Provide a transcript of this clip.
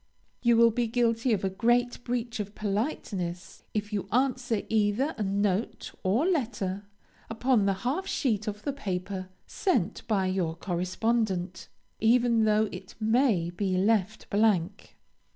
You will be guilty of a great breach of politeness, if you answer either a note or letter upon the half sheet of the paper sent by your correspondent, even though it may be left blank.